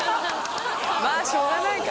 「まあしょうがないか」。